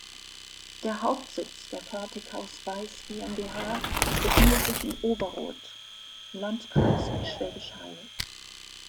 Der Hauptsitz der Fertighaus Weiss GmbH befindet sich in Oberrot, Landkreis Schwäbisch Hall.